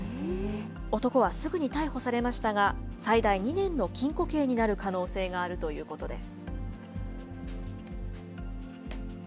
男はすぐに逮捕されましたが、最大２年の禁固刑になる可能性があるということです。